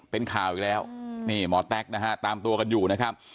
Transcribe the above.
เป็นข่าวแล้วหมอแต๊กตามตัวกันอยู่นะครับ